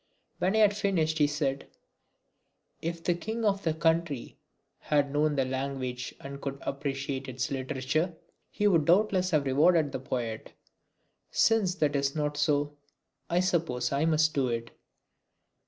When I had finished he said: "If the king of the country had known the language and could appreciate its literature, he would doubtless have rewarded the poet. Since that is not so, I suppose I must do it."